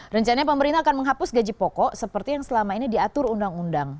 rencananya pemerintah akan menghapus gaji pokok seperti yang selama ini diatur undang undang